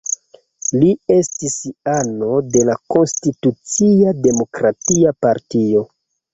Li estis ano de la Konstitucia Demokratia Partio.